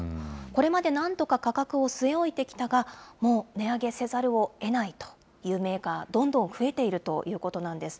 これまでなんとか価格を据え置いてきたが、もう値上げせざるをえないというメーカー、どんどん増えているということなんです。